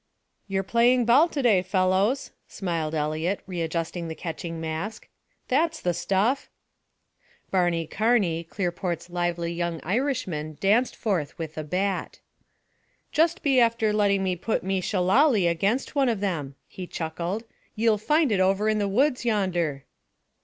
"You're playing ball to day, fellows," smiled Eliot, readjusting the catching mask. "That's the stuff!" Barney Carney, Clearport's lively young Irishman, danced forth with a bat. "Just be after letting me put me shillaly against one of them," he chuckled. "Ye'll find it over in the woods yonder."